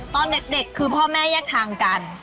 ตอนเด็กคือพ่อแม่แยกทางกัน